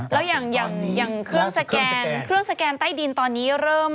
แล้วอย่างเครื่องสแกนใต้ดินตอนนี้